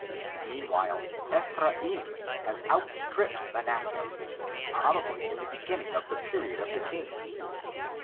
Meanwhile Ephraim has out stripped Manasseh, probably in the beginning of the period of the kings.